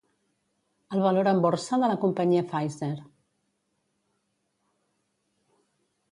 El valor en borsa de la companyia Pfizer.